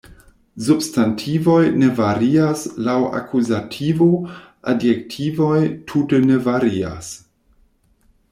Substantivoj ne varias laŭ akuzativo, adjektivoj tute ne varias.